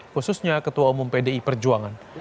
khususnya ketua umum pdi perjuangan